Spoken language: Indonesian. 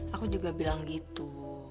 aku juga bilang begitu